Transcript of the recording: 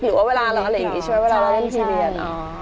หรือว่าวิกตรงที่เลียน